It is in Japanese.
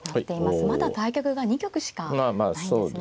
まだ対局が２局しかないんですね。